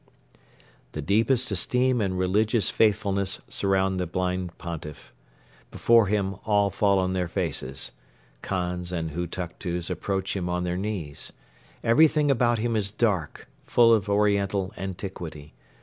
The deepest esteem and religious faithfulness surround the blind Pontiff. Before him all fall on their faces. Khans and Hutuktus approach him on their knees. Everything about him is dark, full of Oriental antiquity.